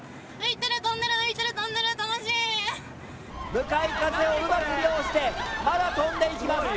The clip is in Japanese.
向かい風をうまく利用してまだ飛んでいきます。